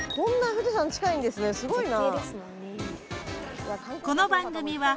富士山近いんですねすごいな。